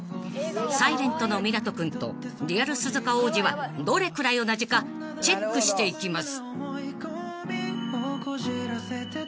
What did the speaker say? ［『ｓｉｌｅｎｔ』の湊斗君とリアル鈴鹿央士はどれくらい同じかチェックしていきます］